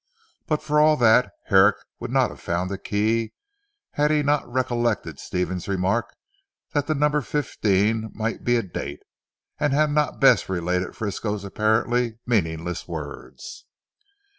But for all that, Herrick would not have found the key, had he not recollected Stephen's remark that the number fifteen might be a date, and had not Bess related Frisco's apparently meaningless words.